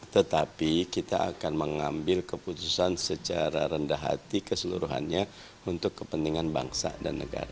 tetapi kita akan mengambil keputusan secara rendah hati keseluruhannya untuk kepentingan bangsa dan negara